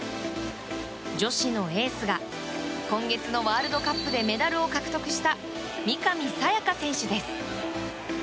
女子のエースが今月のワールドカップでメダルを獲得した三上紗也可選手です。